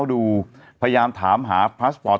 ดูพยายามถามหาพาสปอร์ต